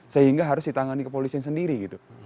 sehingga harus ditangani ke polisian sendiri gitu